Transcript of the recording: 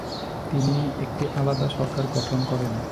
তিনি একটি আলাদা সরকার গঠন করেন।